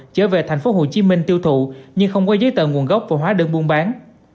trở về thành phố hồ chí minh tiêu thụ nhưng không có giấy tờ nguồn gốc và hóa đơn buôn bán